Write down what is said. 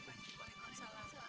terima kasih pak haji